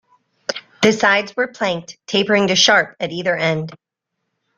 The sides were planked, tapering to sharp at either end.